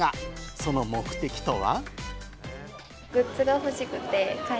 その目的とは。